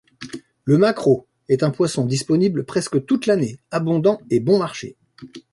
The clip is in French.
Le maquereau est un poisson disponible presque toute l'année, abondant et bon marché.